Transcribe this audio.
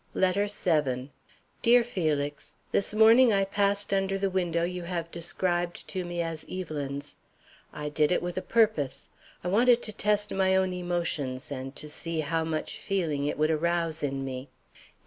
LETTER VII. DEAR FELIX: This morning I passed under the window you have described to me as Evelyn's. I did it with a purpose. I wanted to test my own emotions and to see how much feeling it would arouse in me.